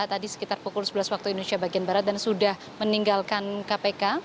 tadi sekitar pukul sebelas waktu indonesia bagian barat dan sudah meninggalkan kpk